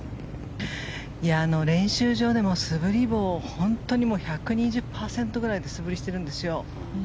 練習場でも素振り棒を本当に１２０％ぐらいで素振りしているんですよ。